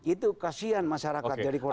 itu kasian masyarakat jadi korban